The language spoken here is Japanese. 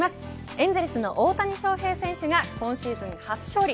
エンゼルスの大谷翔平選手が今シーズン初勝利